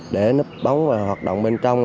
để nấp bóng và hoạt động bên trong